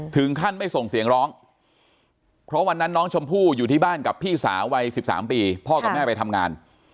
ถึงขั้นไม่ส่งเสียงร้องเพราะวันนั้นน้องชมพู่อยู่ที่บ้านกับพี่สาววัย๑๓ปีพ่อกับแม่ไปทำงาน